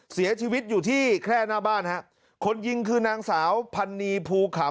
เสียชีวิตอยู่ที่แค่หน้าบ้านฮะคนยิงคือนางสาวพันนีภูขำ